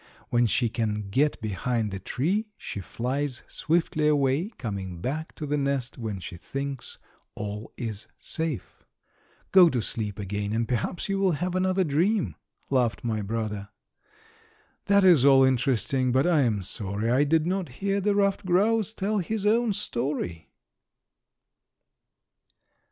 When she can get behind a tree she flies swiftly away, coming back to the nest when she thinks all is safe. "Go to sleep again and perhaps you will have another dream," laughed my brother. "That is all interesting, but I am sorry I did not hear the ruffed grouse tell his own story."